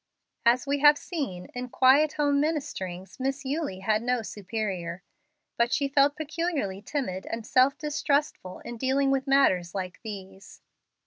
As we have seen, in quiet home ministerings Miss Eulie had no superior, but she felt peculiarly timid and self distrustful in dealing with matters like these.